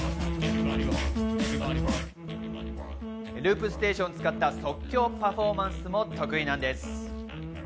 ループステーションを使った即興パフォーマンスも得意なんです。